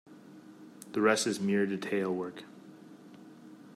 The rest is mere detail work.